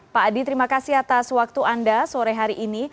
pak adi terima kasih atas waktu anda sore hari ini